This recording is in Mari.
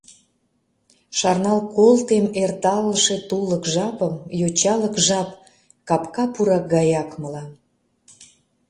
Шарнал колтем эрталше тулык жапым, йочалык жап — капка пурак гаяк мылам.